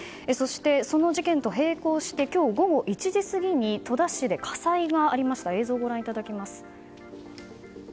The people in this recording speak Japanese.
その事件と並行して今日午後１時過ぎに戸田市で火災がありました。